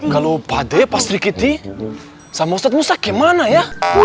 kalau pada pasti kita sama ustadz musa kemana ya